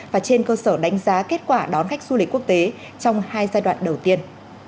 và trên cơ sở đánh giá kết quả đón khách du lịch quốc tế trong hai giai đoạn đầu tiên